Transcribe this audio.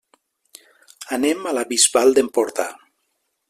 Anem a la Bisbal d'Empordà.